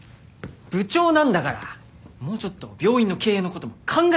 部長なんだからもうちょっと病院の経営の事も考えてください。